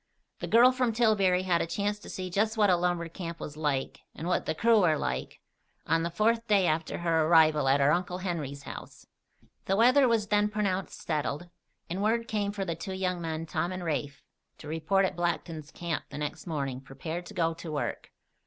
The girl from Tillbury had a chance to see just what a lumber camp was like, and what the crew were like, on the fourth day after her arrival at her Uncle Henry's house. The weather was then pronounced settled, and word came for the two young men, Tom and Rafe, to report at Blackton's camp the next morning, prepared to go to work.